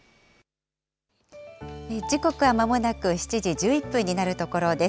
時刻はまもなく７時１１分になるところです。